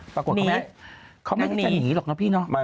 ปรากฏว่าเขาไม่อยากหนีหรอกนะพี่เนอะ